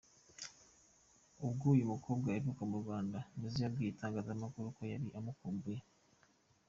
Ubwo uyu mukobwa aheruka mu Rwanda, Nizzo yabwiye itangazamakuru uko yari amukumbuye.